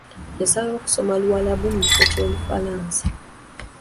Yasalawo kusoma Luwalabu mu kifo ky'Olufalansa.